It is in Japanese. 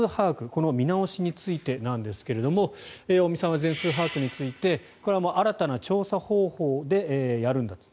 この見直しについてですが尾身さんは全数把握についてこれは新たな調査方法でやるんだと。